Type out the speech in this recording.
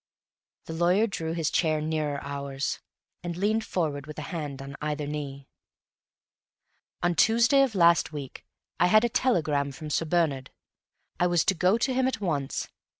The lawyer drew his chair nearer ours, and leant forward with a hand on either knee. "On Tuesday of last week I had a telegram from Sir Bernard; I was to go to him at once.